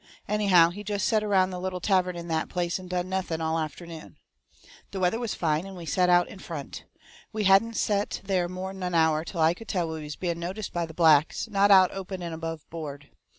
Anyhow, he jest set around the little tavern in that place and done nothing all afternoon. The weather was fine, and we set out in front. We hadn't set there more'n an hour till I could tell we was being noticed by the blacks, not out open and above board.